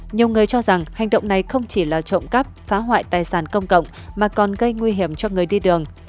nhiều người cho rằng hành động này không chỉ là trộm cắp phá hoại tài sản công cộng mà còn gây nguy hiểm cho người đi đường